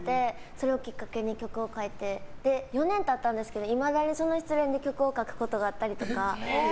それをきっかけに曲を書いて４年経ったんですけどいまだにその失恋で曲を書くことがあったりとか。